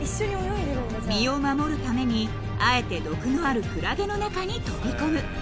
［身を守るためにあえて毒のあるクラゲの中に飛び込む］